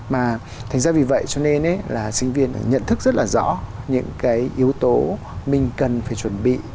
mà thành ra vì vậy cho nên là sinh viên phải nhận thức rất là rõ những cái yếu tố mình cần phải chuẩn bị